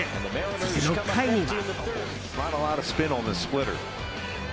そして６回には。